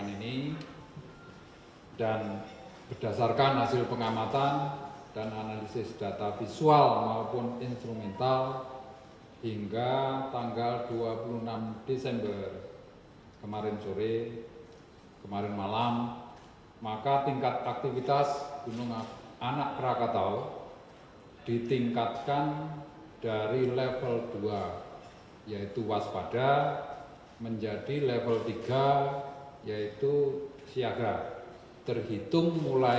windy cahaya dalam keterangan tertulisnya mengalami kenaikan status dari pengamatan aktivitas vulkanik di pulau sertung